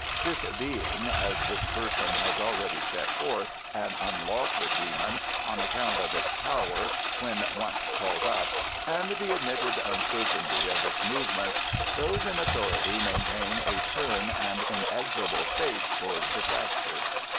This being, as this person has already set forth, an unlawful demon on account of its power when once called up, and the admitted uncertainty of its movements, those in authority maintain a stern and inexorable face towards the practice.